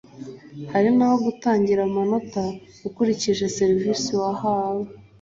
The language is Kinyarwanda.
Hari naho gutangira amanota ukurikije serivisi wahawe